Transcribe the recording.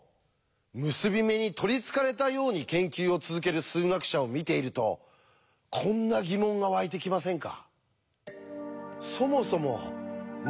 結び目に取りつかれたように研究を続ける数学者を見ているとこんな疑問がわいてきませんか？